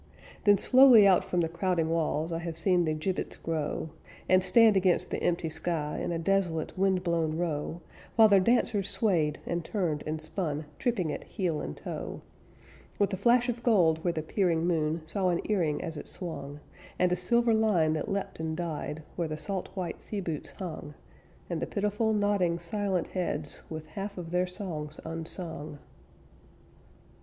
Then slowly out from the crowding walls I have seen the gibbets grow, And stand against the empty sky In a desolate, windblown row, While their dancers swayed, and turned, and spun, Tripping it heel and toe; With a flash of gold where the peering moon Saw an earring as it swung, And a silver line that leapt and died Where the salt white sea boots hung, And the pitiful, nodding, silent heads, With half of their songs unsung.